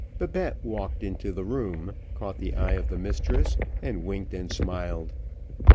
Babette walked into the room, caught the eye of the mistress, and winked and smiled.